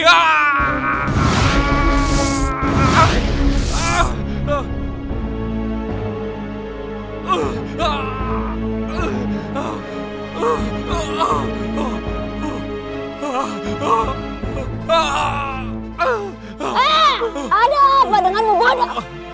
ada apa denganmu bada